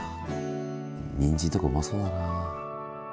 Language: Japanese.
にんじんとかうまそうだな。